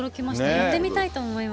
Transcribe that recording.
やってみたいと思います。